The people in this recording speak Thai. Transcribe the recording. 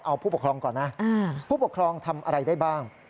เอาผู้ปกครองก่อนนะผู้ปกครองทำอะไรได้บ้าง